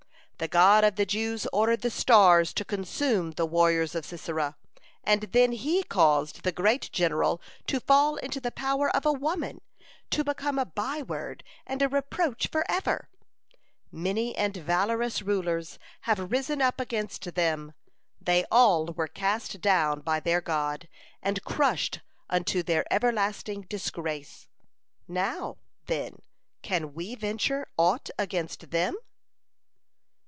The God of the Jews ordered the stars to consume the warriors of Sisera, and then He caused the great general to fall into the power of a woman, to become a by word and a reproach forever. Many and valorous rulers have risen up against them, they all were cast down by their God and crushed unto their everlasting disgrace. Now, then, can we venture aught against them?"